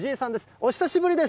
お久しぶりです。